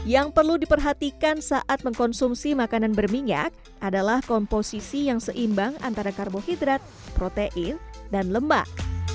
yang perlu diperhatikan saat mengkonsumsi makanan berminyak adalah komposisi yang seimbang antara karbohidrat protein dan lemak